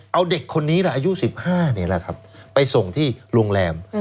เอาเด็กคนนี้อายุ๑๕ไปส่งที่โรงแรม